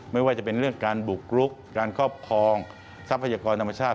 ไม่ว่าจะเป็นเรื่องการบุกรุกการครอบครองทรัพยากรธรรมชาติ